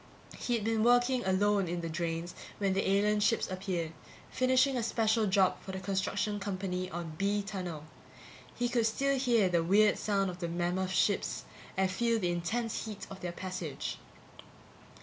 He'd been working alone in the drains when the alien ships appeared, finishing a special job for the construction company on B tunnel. He could still hear the weird sound of the mammoth ships and feel the intense heat of their passage.